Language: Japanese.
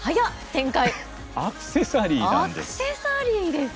アクセサリーなんです。